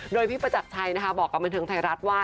โดยพี่ประจักรชัยนะคะบอกกับบันเทิงไทยรัฐว่า